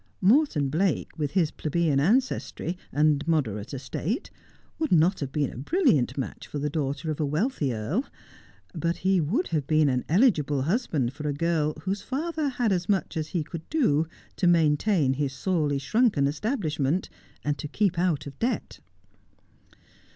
Morton Blake, with his plebeian ancestry, and moderate estate, would not have been a brilliant match for the daughter of a wealthy earl ; but he would have been an eligible husband for a girl whose father had as much as he could do to maintain his sorely shrunken establishment, and to keep out of debt.